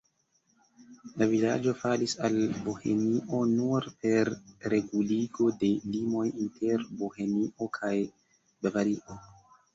La vilaĝo falis al Bohemio nur per reguligo de limoj inter Bohemio kaj Bavario.